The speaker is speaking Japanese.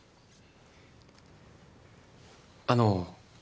あの。